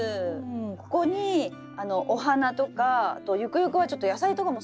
ここにお花とかあとゆくゆくはちょっと野菜とかも育ててみたいなと思って。